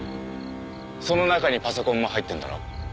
その中にパソコンも入ってんだろ？